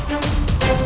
sampai jumpa lagi